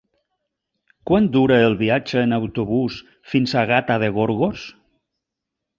Quant dura el viatge en autobús fins a Gata de Gorgos?